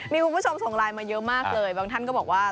มีคุณผู้ชมส่งไลน์มาเยอะมากเลยบางท่านก็บอกว่า